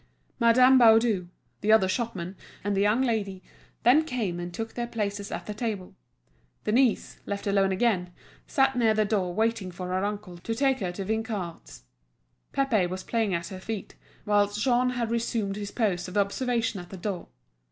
Madame Baudu, the other shopman, and the young lady then came and took their places at the table. Denise, left alone again, sat near the door waiting for her uncle to take her to Vinçard's. Pépé was playing at her feet, whilst Jean had resumed his post of observation at the door.